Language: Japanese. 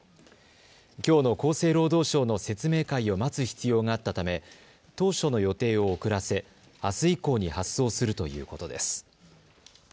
きょうの厚生労働省の説明会を待つ必要があったため当初の予定を遅らせあす以降に発送するということです。